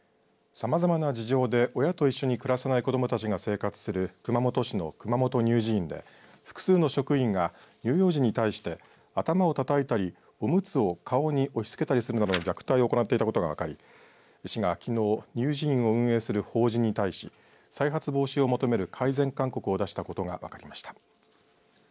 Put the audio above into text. さまざまな事情で親と一緒に暮らせない子どもたちが生活する熊本市の熊本乳児院で複数の職員が乳幼児に対して頭をたたいたりおむつを顔に押し付けたりするなどの虐待を行ってたことが分かり市がきのう乳児院運営する法人に対し再発防止を求める改善勧告を出したことが分かりました。